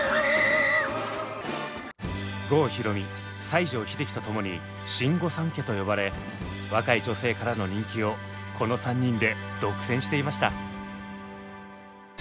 郷ひろみ西城秀樹とともに「新御三家」と呼ばれ若い女性からの人気をこの３人で独占していました。